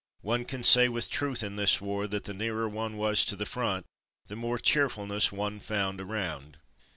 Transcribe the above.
One can say with truth in this war that the nearer one was to the front the more cheerfulness one found around.